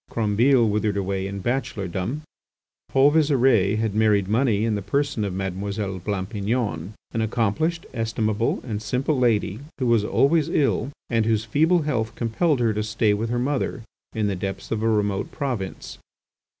Crombile withered away in bachelordom. Paul Visire had married money in the person of Mademoiselle Blampignon, an accomplished, estimable, and simple lady who was always ill, and whose feeble health compelled her to stay with her mother in the depths of a remote province.